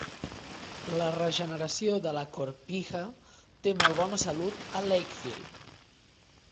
La regeneració de la Corpyha té molt bona salut a Lakefield.